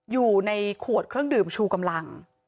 อยู่ในขวดเครื่องดื่มชูกำลัง